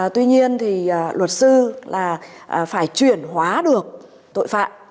tuy nhiên thì luật sư là phải chuyển hóa được tội phạm